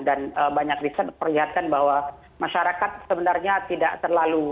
dan banyak riset perlihatkan bahwa masyarakat sebenarnya tidak terlalu